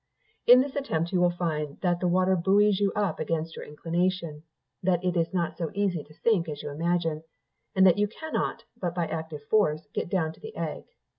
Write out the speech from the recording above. In this attempt you will find that the water buoys you up against your inclination; that it is not so easy to sink as you imagine, and that you cannot, but by active force, get down to the egg.